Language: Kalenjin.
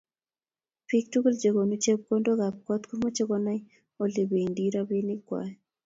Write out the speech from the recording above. Bik tukul che konu chepkondok ab kot komache konai olebendi robinik kwai